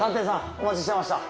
お待ちしてました。